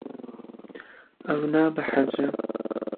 Ew nabehece.